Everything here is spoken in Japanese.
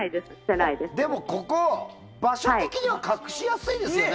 でも、ここ、場所的には隠しやすいですよね。